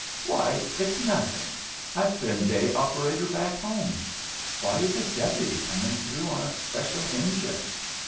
"Why, it's nothing! I've been day operator back home. Why is a deputy coming through on a special engine?"